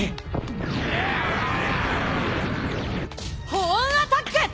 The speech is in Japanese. ホーンアタック！